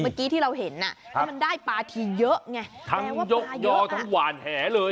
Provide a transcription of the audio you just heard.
เมื่อกี้ที่เราเห็นอ่ะแล้วมันได้ปลาทีเยอะไงทั้งยกยอทั้งหวานแหเลย